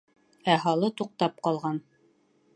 Ә һалы туҡтап ҡалған.